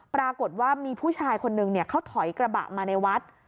ปรากฏว่ามีผู้ชายคนนึงเขาถอยกระบะมาในวัด